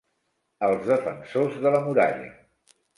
Els defensors de la muralla.